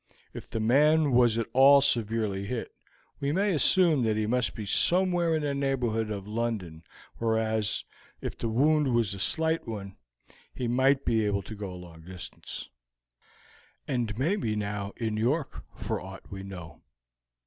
If the man was at all severely hit, we may assume that he must be somewhere in the neighborhood of London, whereas, if the wound was a slight one, he might be able to go a long distance, and may be now in York, for aught we know.